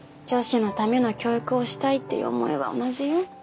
女子のための教育をしたいっていう思いは同じよ。